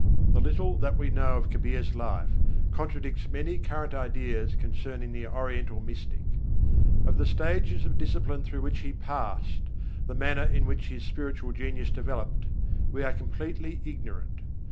The little that we know of Kabîr's life contradicts many current ideas concerning the Oriental mystic. Of the stages of discipline through which he passed, the manner in which his spiritual genius developed, we are completely ignorant.